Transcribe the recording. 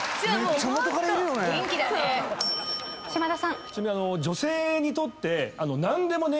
島田さん。